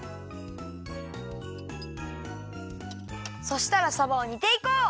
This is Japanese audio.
そしたらさばを煮ていこう。